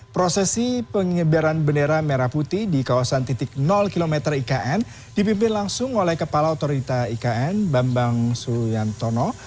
prosesi pengibaran bendera merah putih di kawasan titik km ikn dipimpin langsung oleh kepala otorita ikn bambang suyantono